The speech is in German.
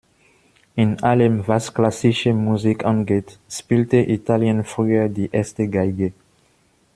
In allem, was klassische Musik angeht, spielte Italien früher die erste Geige.